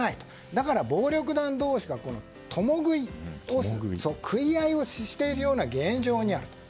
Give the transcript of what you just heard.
だから、暴力団同士が共食い食い合いをしているような現状にあると。